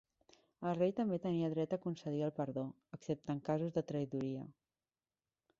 El rei també tenia dret a concedir el perdó, excepte en casos de traïdoria.